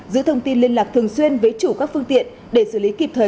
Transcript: giữ thông tin liên lạc thường xuyên với chủ các phương tiện để xử lý kịp thời